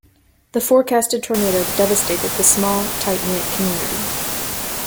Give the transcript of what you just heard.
The forecasted tornado devastated the small tight-knit community.